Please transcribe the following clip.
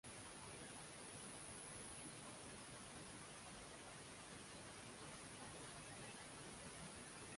তিনি WWE performance সেন্টারে যোগ দেন এবং রিং নেম হিসেবে টাকার নাইট পছন্দ করেন।